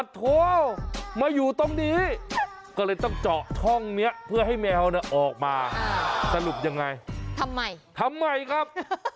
ทำใหม่ครับ